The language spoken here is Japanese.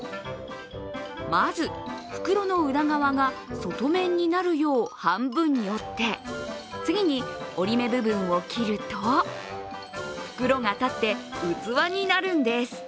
まず、袋の裏側が外面になるよう半分に折って、次に折り目部分を切ると、袋が立って、器になるんです。